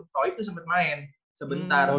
toib tuh sempet main sebentar